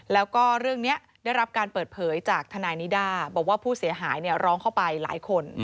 แล้วก็เรื่องนี้ได้รับการเปิดเผยจากทนายนิด้าบอกว่าผู้เสียหายร้องเข้าไปหลายคน